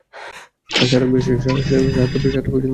সাতরাপি, কী করছ এসব?